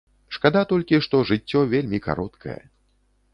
Шкада толькі, што жыццё вельмі кароткае.